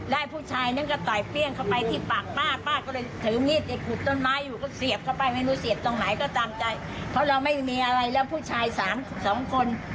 แล้วผู้ชายนั้นก็ต่อยเปรี้ยงเข้าไปที่ปากป้าป้าก็เลยถือมีดขุดต้นไม้อยู่ก็เสียบเข้าไปไม่รู้เสียบตรงไหนก็ตามใจเพราะเราไม่มีอะไรแล้วผู้ชายสามสองคน